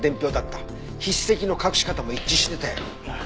筆跡の隠し方も一致してたよ。